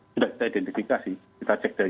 sudah kita identifikasi kita cek dari